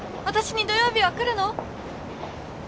私に土曜日は来るの？